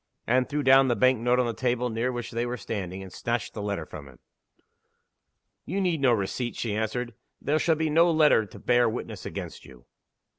Anne threw down the bank note on the table near which they were standing, and snatched the letter from him. "You need no receipt," she answered. "There shall be no letter to bear witness against you!"